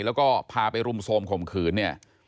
แล้วก็พาไปรุมโทรมข่มขืนเนี่ย